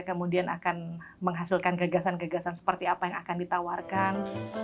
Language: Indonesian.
kemudian akan menghasilkan gagasan gagasan seperti apa yang akan ditawarkan